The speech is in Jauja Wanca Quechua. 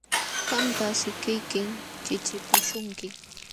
Qamta sikiykim chiqchipuśhunki.